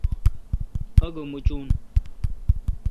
آگو مچون۔